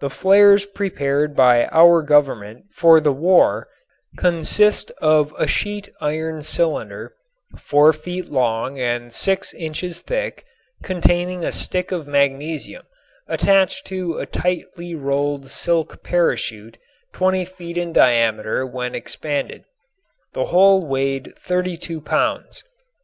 The flares prepared by our Government for the war consist of a sheet iron cylinder, four feet long and six inches thick, containing a stick of magnesium attached to a tightly rolled silk parachute twenty feet in diameter when expanded. The whole weighed 32 pounds.